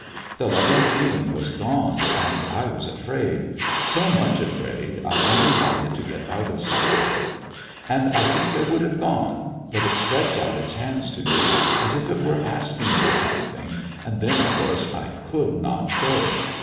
The loving feeling was gone, and I was afraid so much afraid, I only wanted to get out of sight of it. And I think I would have gone, but it stretched out its hands to me as if it were asking for something, and then, of course, I could not go.